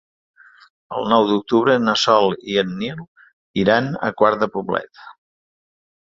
El nou d'octubre na Sol i en Nil iran a Quart de Poblet.